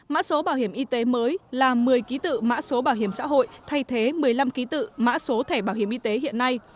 mẫu số bảo hiểm y tế mới là một mươi ký tự mã số bảo hiểm xã hội thay thế một mươi năm ký tự mã số thẻ bảo hiểm y tế hiện nay